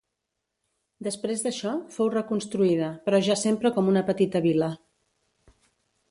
Després d'això, fou reconstruïda, però ja sempre com una petita vila.